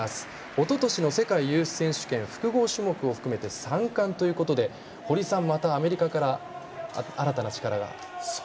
おととしの世界ユース選手権複合種目を含めて３冠ということで堀さん、またアメリカから新たな力が。